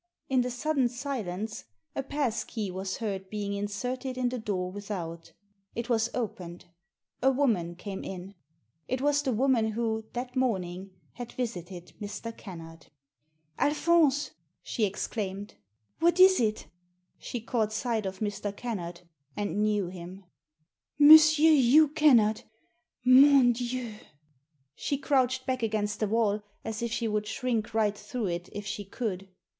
In the sudden silence a pass key was heard being inserted in the door without It was opeped. A woman came in ; it was the woman who, that morning, had visited Mr. Kennard. " Alpbonse !" she exclaimed. " What is it ?" She caught sight of Mr. Kennard, and knew him. Digitized by VjOOQIC i88 THE SEEN AND THE UNSEEN " Monsieur Hugh Kennard ! Mon Dieu !" She crouched back against the wall, as if she would shrink right through it if she could.